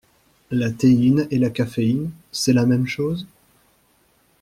La théine et la caféine, c'est la même chose?